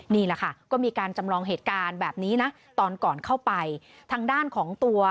นี่แหละค่ะก็มีการจำลองเหตุการณ์แบบนี้นะตอนก่อนเข้าไปทางด้านของตัว